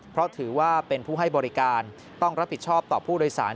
เพราะถือว่าเป็นผู้ให้บริการต้องรับผิดชอบต่อผู้โดยสาร